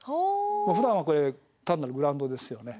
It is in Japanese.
ふだんはこれ単なるグラウンドですよね。